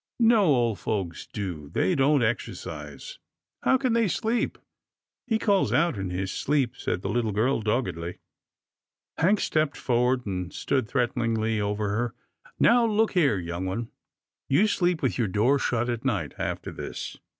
" No old folks do. They don't exercise. How can they sleep ?"" He calls out in his sleep," said the little girl, doggedly. 24 'TILDA JANE'S ORPHANS Hank stepped forward, and stood threateningly over her. " Now look here, young one — you sleep with your door shut at night after this.